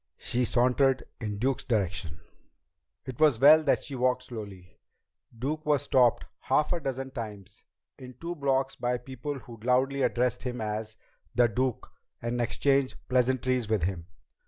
She sauntered in Duke's direction. It was well that she walked slowly. Duke was stopped half a dozen times in two blocks by people who loudly addressed him as "The Duke" and exchanged pleasantries with him.